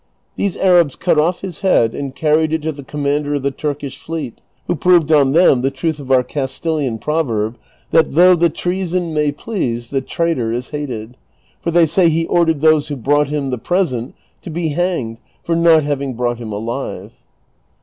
These Arabs cut off his head and carried it to the commander of the Turkisli fleet, who proved on them the truth of our Castilian proverb, tliat " though the treason may jjlease, tiie traitor is hated ;"' for they say he ordered tliose who brought him the present to be hanged for not having brought him alive.